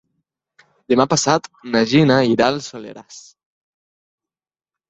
Demà passat na Gina irà al Soleràs.